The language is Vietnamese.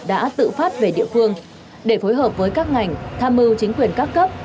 đã tự phát về địa phương để phối hợp với các ngành tham mưu chính quyền các cấp